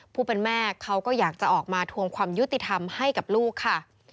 ผู้เป็นแม่เขาก็อยากจะออกมาทวงความยุติธรรมให้กับลูกค่ะ